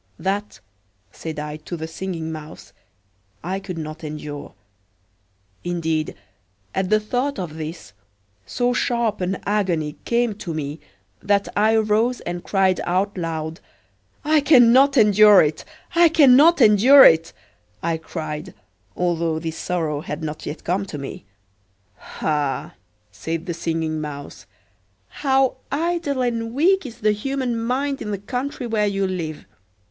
That," said I to the Singing Mouse, "I could not endure." Indeed, at the thought of this, so sharp an agony came to me that I arose and cried out loud. "I can not endure it, I can not endure it!" I cried (although this sorrow had not yet come to me). "Ah!" said the Singing Mouse, "how idle and weak is the human mind in the country where you live.